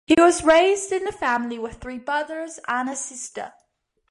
He was raised in a family with three brothers and a sister.